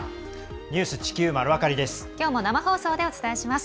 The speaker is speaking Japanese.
「ニュース地球まるわかり」です。